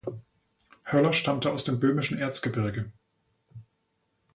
Höller stammte aus dem böhmischen Erzgebirge.